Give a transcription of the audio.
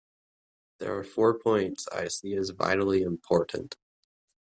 There are four points I see as vitally important.